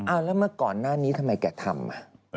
แล้วเมื่อก่อนหน้านี้ทำไมแกทำอ่ะ